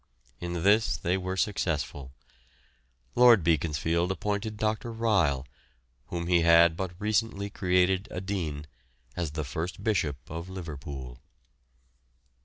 In this they were successful. Lord Beaconsfield appointed Dr. Ryle, whom he had but recently created a Dean, as the first Bishop of Liverpool.